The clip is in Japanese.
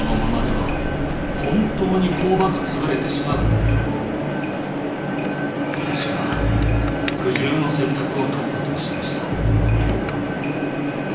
本当に私は苦渋の選択をとることにしました。